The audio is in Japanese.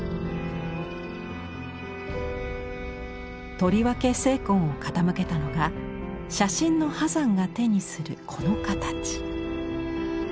とりわけ精魂を傾けたのが写真の波山が手にするこの形。